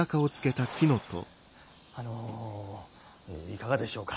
あのいかがでしょうか？